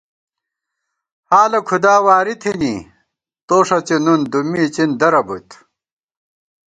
حالہ کھُدا واری تھنی تو ݭڅی نُن دُمّی اِڅِن درہ بوت